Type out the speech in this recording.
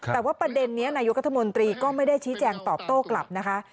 แต่ว่าประเด็นนี้นายกรัฐมนตรีก็ไม่ได้ชี้แจงตอบโต้กลับนะคะ